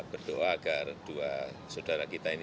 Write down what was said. berdoa agar dua saudara kita ini